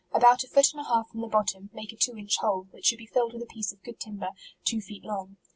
About a foot and a half from the bottom, make a two inch hole, which should be filled with a piece of good timber, two feet long.